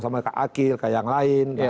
sama kak akil kak yang lain